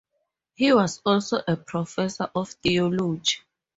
He was also a professor of theology.